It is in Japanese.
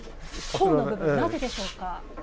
甲の部分なぜでしょうか？